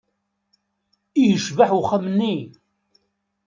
I yecbeḥ uxxam-nni!